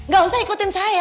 gak usah ikutin saya